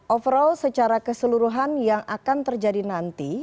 overall secara keseluruhan yang akan terjadi nanti